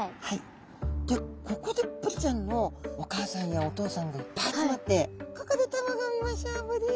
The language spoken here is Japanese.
ここでブリちゃんのお母さんやお父さんがいっぱい集まって「ここで卵を産みましょうブリ」